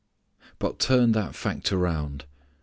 But turn that fact around.